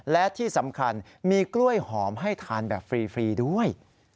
และที่สำคัญมีกล้วยหอมให้ทานแบบฟรีด้วย